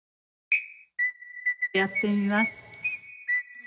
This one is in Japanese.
やってみます